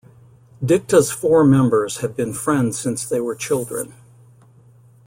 Dikta's four members have been friends since they were children.